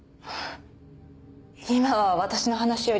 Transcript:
今は私の話より。